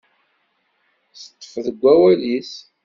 Teṭṭef deg wawal-is.